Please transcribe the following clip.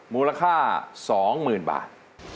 มูลค่า๒หมื่นบาท